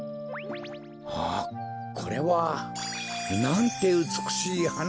あっこれはなんてうつくしいはななんだ。